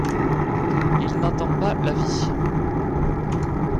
Il n’entend pas la vie.